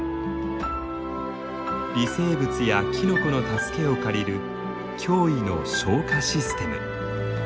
微生物やキノコの助けを借りる驚異の消化システム。